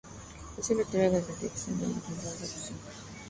Fue secretario de redacción del matutino "La Opinión".